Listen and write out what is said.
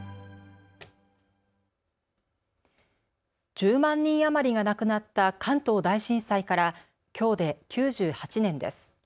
１０万人余りが亡くなった関東大震災からきょうで９８年です。